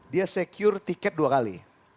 dia secure tiket dua kali